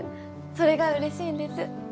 それがうれしいんです。